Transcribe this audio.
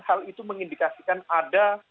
hal itu mengindikasikan ada